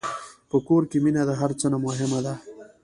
په کور کې مینه د هر څه نه مهمه ده.